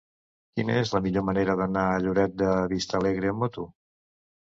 Quina és la millor manera d'anar a Lloret de Vistalegre amb moto?